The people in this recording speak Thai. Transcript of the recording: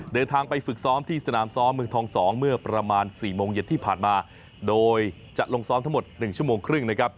เดินทางไปฝึกซ้อมที่สนามซ้อมเมืองทอง๒เมื่อประมาณ๔โมงเย็นที่ผ่านมาโดยจะลงซ้อมทั้งหมด๑ชั่วโมงครึ่งนะครับ